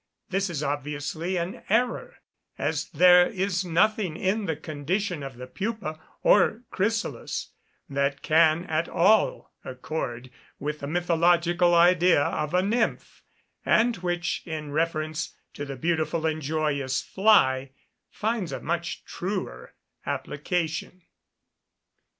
This is obviously an error, as there is nothing in the condition of the pupa or chrysalis that can at all accord with the mythological idea of a nymph, and which, in reference to the beautiful and joyous fly, finds a much truer application.